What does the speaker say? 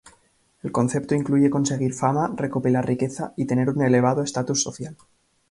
El concepto incluye conseguir fama, recopilar riqueza y tener un elevado estatus social.